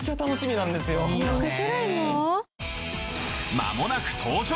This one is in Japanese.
間もなく登場